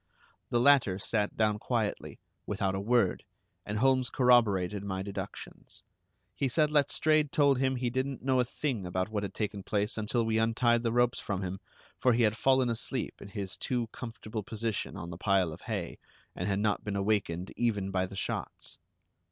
The latter sat down quietly, without a word, and Holmes corroborated my deductions. He said Letstrayed told him he didn't know a thing about what had taken place until we untied the ropes from him; for he had fallen asleep in his too comfortable position on the pile of hay, and had not been awakened even by the shots.